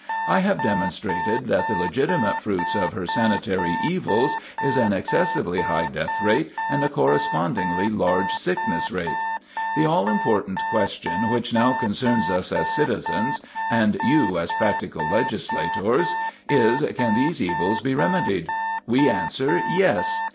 I have demonstrated that the legitimate fruits of her sanitary evils is an excessively high death rate and a correspondingly large sickness rate. [Sidenote: Can the Causes of Disease Be Removed?] The all important question which now concerns us as citizens, and you as practical legislators, is, can these evils be remedied? We answer, yes.